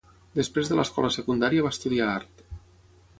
Després de l'escola secundària va estudiar art.